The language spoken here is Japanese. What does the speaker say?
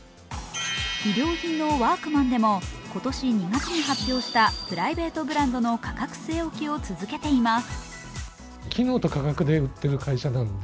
衣料品のワークマンでも、今年２月に発表したプライベートブランドの価格据え置きを続けています。